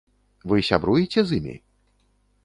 Вы сябруеце з імі?